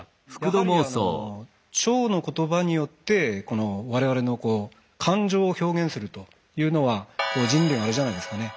やはりあの腸の言葉によってこの我々の感情を表現するというのは人類のあれじゃないですかね